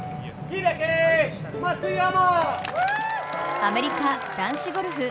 アメリカ・男子ゴルフ。